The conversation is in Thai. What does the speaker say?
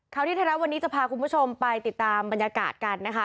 ที่ไทยรัฐวันนี้จะพาคุณผู้ชมไปติดตามบรรยากาศกันนะคะ